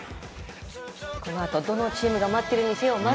このあとどのチームが待っているんでしょうか。